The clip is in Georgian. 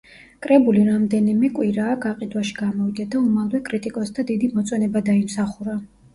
კრებული რამდენემე კვირაა გაყიდვაში გამოვიდა და უმალვე კრიტიკოსთა დიდი მოწონება დაიმსახურა.